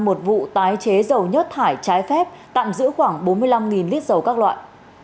một vụ tái chế dầu nhất thải trái phép tạm giữ khoảng bốn mươi năm lít dầu các loại